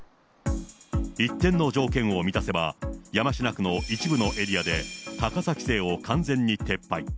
一定の条件を満たせば、山科区の一部のエリアで高さ規制を完全に撤廃。